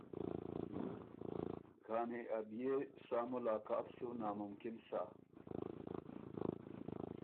کانی ا بيې سا ملاقات سُو ناممکِن سۀ۔